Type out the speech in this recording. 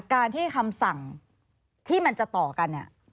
การที่คำสั่งที่มันจะต่อกันเนี่ย